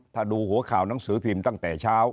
ถ้าดูหัวข่าวหนังสือพิมพ์ตั้งแต่เช้า